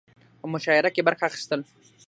په مشاعره کې برخه اخستل